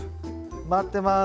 待ってます。